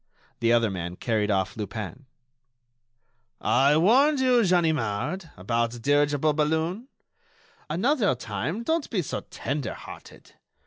The other man carried off Lupin. "I warned you, Ganimard ... about the dirigible balloon. Another time, don't be so tender hearted.